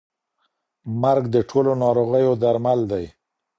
مرګ د ټولو ناروغیو درمل دی.